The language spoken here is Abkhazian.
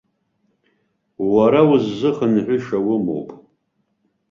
Уара уззыхынҳәыша умоуп.